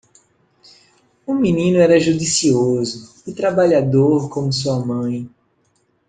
O menino era judicioso e trabalhador como sua mãe.